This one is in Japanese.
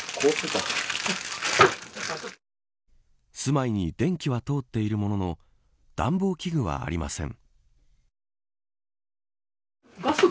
住まいに電気は通っているものの暖房器具はありません。